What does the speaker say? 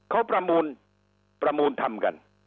เขาประมูลประมูลทำกัน